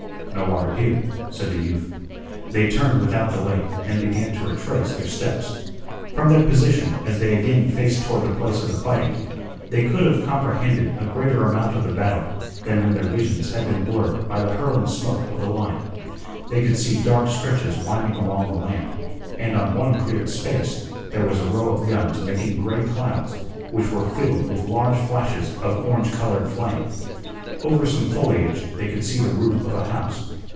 "No water here," said the youth. They turned without delay and began to retrace their steps. From their position as they again faced toward the place of the fighting, they could comprehend a greater amount of the battle than when their visions had been blurred by the hurling smoke of the line. They could see dark stretches winding along the land, and on one cleared space there was a row of guns making gray clouds, which were filled with large flashes of orange colored flame. Over some foliage they could see the roof of a house.